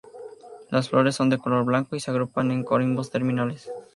Las flores son de color blanco y se agrupan en corimbos terminales.